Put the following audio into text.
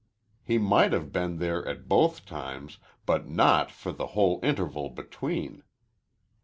He might have been there at both times, but not for the whole interval between.